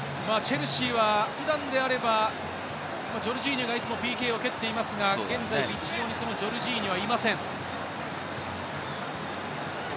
チェルシーは普段であればジョルジーニョがいつもＰＫを蹴っていますが、現在、ピッチ上にジョルジーニョはいません。